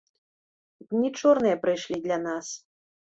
Дні чорныя прыйшлі для нас.